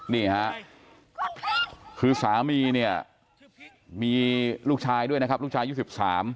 นี่ฮะคือสามีเนี่ยมีลูกชายด้วยนะครับลูกชายอายุสิบสาม